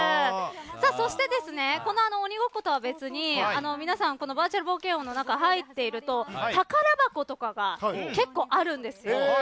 そして、この鬼ごっことは別に皆さんバーチャル冒険王の中に入っていると宝箱とかが結構あるんですよ。